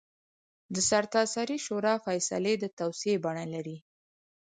د سرتاسري شورا فیصلې د توصیې بڼه ولري.